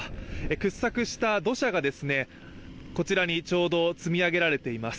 掘削した土砂が、こちらにちょうど積み上げられています。